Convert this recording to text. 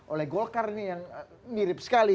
oleh golkar ini yang mirip sekali